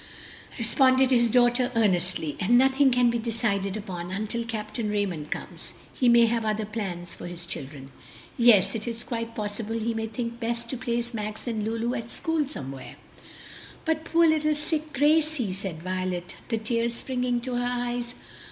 responded his daughter earnestly. "And nothing can be really decided upon until Capt. Raymond comes. He may have other plans for his children." "Yes, it is quite possible he may think best to place Max and Lulu at school somewhere." "But poor little sick Gracie!" said Violet, the tears springing to her eyes.